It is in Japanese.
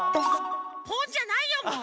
ポンじゃないよもう！